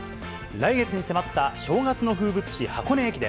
来月に迫った正月の風物詩、箱根駅伝。